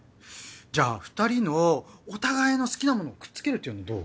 じゃあ２人のお互いの好きなものをくっつけるっていうのはどう？